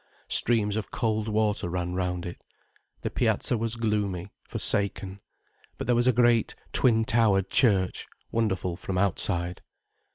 Streams of cold water ran round it. The piazza was gloomy, forsaken. But there was a great, twin towered church, wonderful from outside.